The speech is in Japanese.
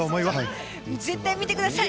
絶対見てください。